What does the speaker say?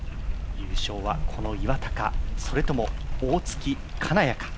優勝はこの岩田か、それとも大槻、金谷か。